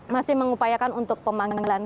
masih mengupayakan untuk pemanggilan